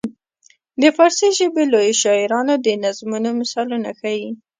د فارسي ژبې لویو شاعرانو د نظمونو مثالونه ښيي.